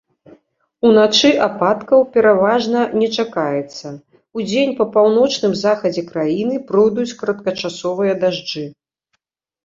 Уначы ападкаў пераважна не чакаецца, удзень па паўночным захадзе краіны пройдуць кароткачасовыя дажджы.